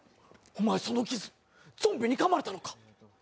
お前、その傷、ゾンビにかまれたのか。